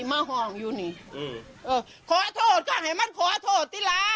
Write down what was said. มาห้องอยู่นี่ขอโทษก็ให้มันขอโทษตีลา